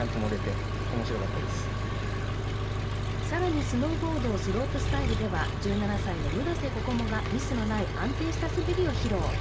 更にスノーボード・スロープスタイルでは１７歳の村瀬心椛がミスのない安定した滑りを披露。